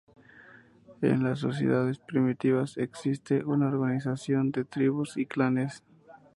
En las sociedades primitivas existe una organización de tribus y clanes.